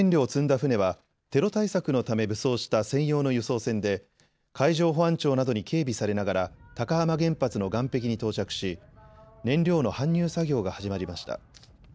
船はテロ対策のため武装した専用の輸送船で海上保安庁などに警備されながら高浜原発の岸壁に到着し燃料の搬入作業が始まりました。